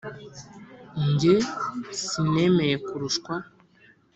jye sinemeye kurushwa.